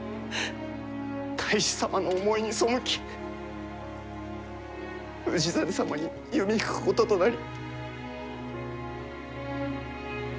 太守様の思いに背き氏真様に弓引くこととなり。